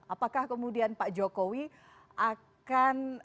apakah kemudian pak jokowi akan memberikan dengan sukarela kursi itu kepada parpol